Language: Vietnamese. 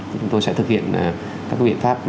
chúng tôi sẽ thực hiện các viện pháp